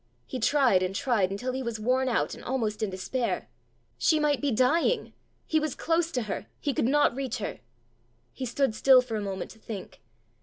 He tried and tried until he was worn out and almost in despair. She might be dying! he was close to her! he could not reach her! He stood still for a moment to think.